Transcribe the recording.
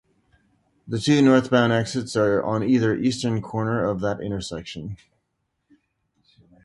The two northbound exits are on either eastern corner of that intersection.